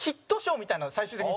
みたいのを最終的に。